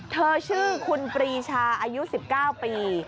เธอชื่อคุณปรีชาอายุ๑๙ปี